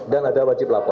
dan ada wajib lapor